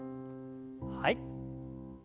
はい。